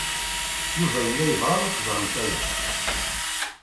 Yuba yella yebɣa ad teẓremt aya.